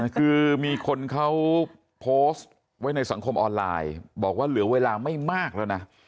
คือมีคนเขาโพสต์ไว้ในสังคมออนไลน์บอกว่าเหลือเวลาไม่มากแล้วนะ